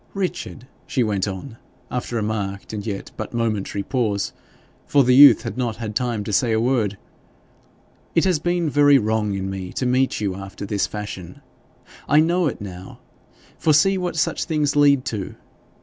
'Richard,' she went on, after a marked and yet but momentary pause, for the youth had not had time to say a word, 'it has been very wrong in me to meet you after this fashion. I know it now, for see what such things lead to!